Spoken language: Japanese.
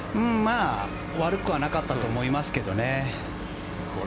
悪くはなかったと思いますけどね。